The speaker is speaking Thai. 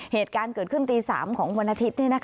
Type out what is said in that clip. เหตุการณ์เกิดขึ้นตี๓ของวันอาทิตย์